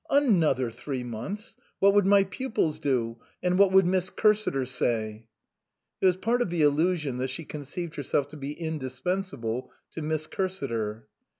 " Another three months ! What would my pupils do, and what would Miss Cursiter say ?" It was part of the illusion that she conceived herself to be indispensable to Miss Cursiter.